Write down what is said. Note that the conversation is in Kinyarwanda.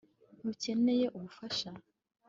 ntukeneye ubufasha